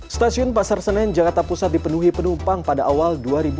stasiun pasar senen jakarta pusat dipenuhi penumpang pada awal dua ribu dua puluh